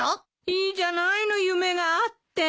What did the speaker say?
いいじゃないの夢があって。